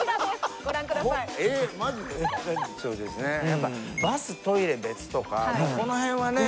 やっぱバス・トイレ別とかこの辺はね。